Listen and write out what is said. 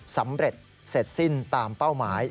สำเร็จเสร็จสิ้นตามเป้าหมาย